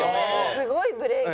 すごいブレーキ。